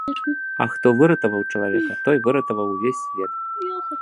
А хто выратаваў чалавека, той выратаваў увесь свет.